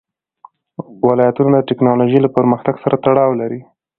ولایتونه د تکنالوژۍ له پرمختګ سره تړاو لري.